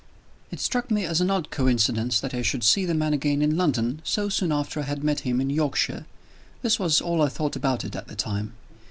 It struck me as an odd coincidence that I should see the man again in London, so soon after I had met with him in Yorkshire. This was all I thought about it, at the time.